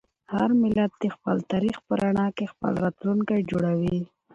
هر ملت د خپل تاریخ په رڼا کې خپل راتلونکی جوړوي.